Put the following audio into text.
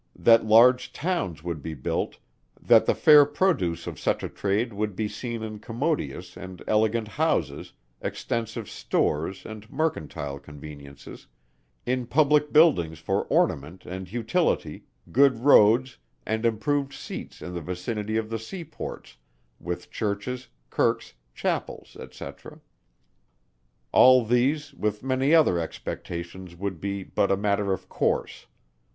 That large towns would be built that the fair produce of such a trade would be seen in commodious and elegant houses, extensive stores and mercantile conveniences, in public buildings for ornament and utility, good roads and improved seats in the vicinity of the sea ports, with Churches, Kirks, Chapels, &c.: All these with many other expectations would be but a matter of course.